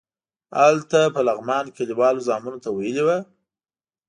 هلته په لغمان کې کلیوالو زامنو ته ویلي وو.